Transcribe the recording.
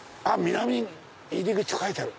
「南入口」って書いてある。